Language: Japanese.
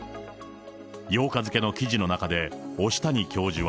８日付の記事の中で押谷教授は。